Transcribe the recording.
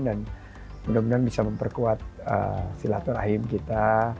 dan mudah mudahan bisa memperkuat silaturahim kita